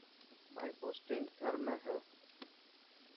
مائي پوسٽنگ ٿر ۾ هي.